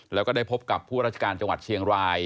แล้วก็ได้พบกับผู้ราชการจังหวัดเชียงราย